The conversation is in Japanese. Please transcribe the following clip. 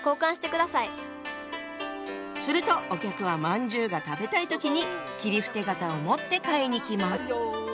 するとお客はまんじゅうが食べたい時に切符手形を持って買いに来ます。